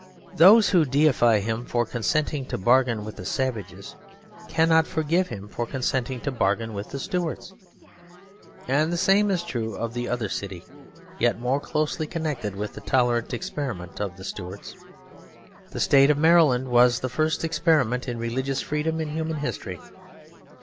Those who deify him for consenting to bargain with the savages cannot forgive him for consenting to bargain with the Stuarts. And the same is true of the other city, yet more closely connected with the tolerant experiment of the Stuarts. The state of Maryland was the first experiment in religious freedom in human history.